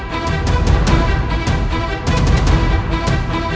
selamat untuk contributions